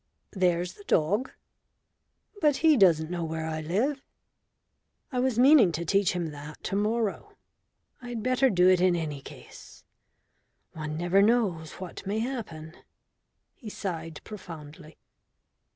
"There's the dog." "But he doesn't know where I live." "I was meaning to teach him that to morrow. I'd better do it in any case one never knows what may happen." He sighed profoundly.